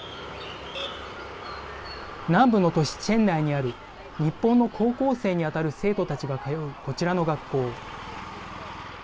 南部の都市チェンナイにある日本の高校生に当たる生徒たちが通うこちらの学校。